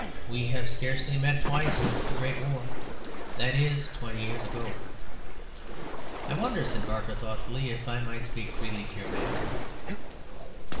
we have scarcely met twice since the Great War. That is twenty years ago." "I wonder," said Barker, thoughtfully, "if I might speak freely to your Majesty?"